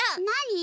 何？